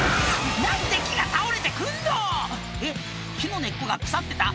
何で木が倒れてくんの⁉えっ木の根っこが腐ってた？